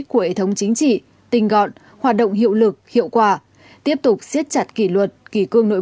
của hệ thống chính trị tinh gọn hoạt động hiệu lực hiệu quả tiếp tục siết chặt kỷ luật kỳ cương nội